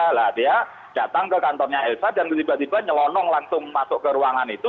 nah dia datang ke kantornya elsa dan tiba tiba nyelonong langsung masuk ke ruangan itu